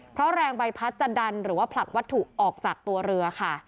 เพราะแรงใบพัดจะดันหรือว่าผลักวัตถุออกจากตัวเรือค่ะ